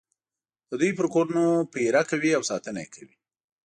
د دوی پر کورونو پېره کوي او ساتنه یې کوي.